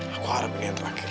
aku harap ini yang terakhir